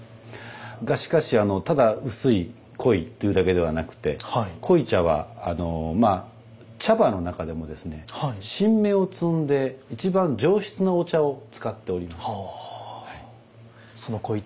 がしかしただ「薄い」「濃い」というだけではなくて濃茶はまあ茶葉の中でもですね新芽を摘んで一番上質なお茶を使っております。